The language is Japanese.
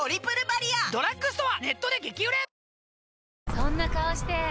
そんな顔して！